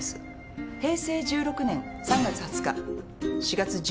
平成１６年３月２０日４月１７日５月３日。